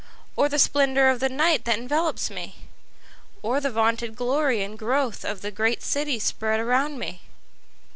Or the splendor of the night that envelopes me? Or the vaunted glory and growth of the great city spread around me?